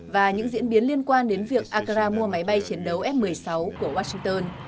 và những diễn biến liên quan đến việc ankara mua máy bay chiến đấu f một mươi sáu của washington